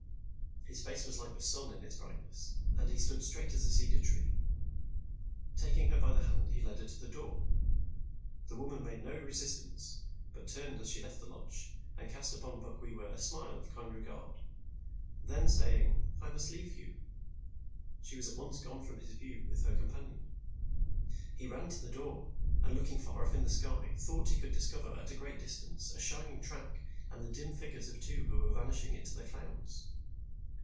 His face was like the sun in its brightness, and he stood straight as a cedar tree. Taking her by the hand, he led her to the door. The woman made no resistance, but turned as she left the lodge and cast upon Bokwewa a smile of kind regard. Then saying, "I must leave you," she was at once gone from his view, with her companion. He ran to the door, and looking far off in the sky, thought that he could discover, at a great distance, a shining track, and the dim figures of two who were vanishing into the clouds.